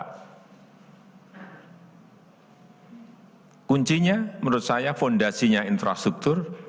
kuncinya menurut saya fondasinya infrastruktur